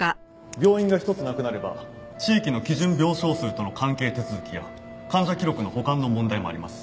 病院が１つなくなれば地域の基準病床数との関係手続きや患者記録の保管の問題もあります。